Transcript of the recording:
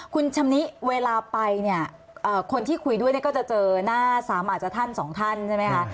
คุณชำนิเวลาไปเนี่ยคนที่คุยด้วยเนี่ยก็จะเจอหน้าสามอาจจะท่านสองท่านใช่ไหมคะ